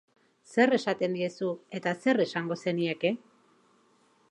Zer esaten diezu eta zer esango zenieke?